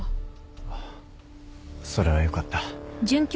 あっそれはよかった。